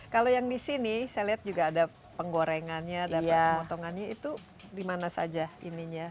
kalau yang di sini saya lihat juga ada penggorengannya dapat pemotongannya itu dimana saja ininya